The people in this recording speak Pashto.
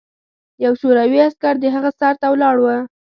یو شوروي عسکر د هغه سر ته ولاړ و